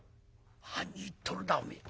「何言っとるだおめえ。